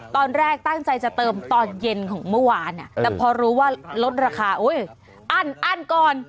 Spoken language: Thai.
ตอนแรกตั้งใจจะเติมตอนเย็นของเมื่อวานแต่พอรู้ว่าลดราคาอั้นอั้นก่อน